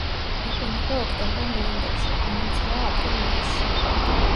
იყინება ოქტომბერ-ნოემბერში, ყინულძვრაა აპრილ-მაისში.